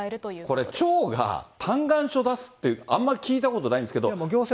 これ、町が嘆願書出すって、あんま聞いたことないんですけど。